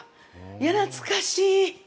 いや、懐かしい！